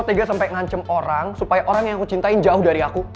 tega sampai ngancem orang supaya orang yang aku cintain jauh dari aku